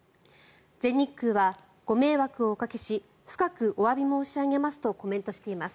全日空は、ご迷惑をおかけし深くおわび申し上げますとコメントしています。